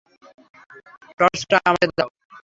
টর্চটা আমাকে দাও।